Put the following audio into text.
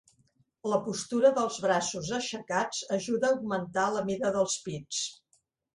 La postura dels braços aixecats ajuda a augmentar la mida dels pits.